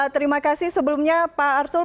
terima kasih sebelumnya pak arsul